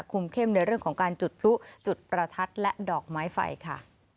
เข้มในเรื่องของการจุดพลุจุดประทัดและดอกไม้ไฟค่ะ